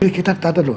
kita tata dulu